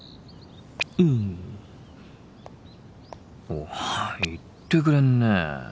お言ってくれんねえ。